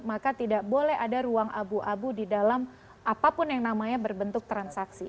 maka tidak boleh ada ruang abu abu di dalam apapun yang namanya berbentuk transaksi